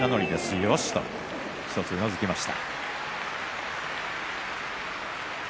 よし、と１つ、うなずきました。